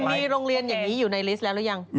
มีโรงเรียนอย่างนี้อยู่ในลิสต์แล้วหรือยัง